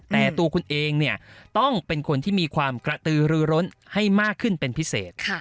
แต่ตัวคุณเองเนี่ยต้องเป็นคนที่มีความกระตือรือร้นให้มากขึ้นเป็นพิเศษ